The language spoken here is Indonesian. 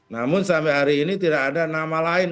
namun sampai hari ini tidak ada nama lain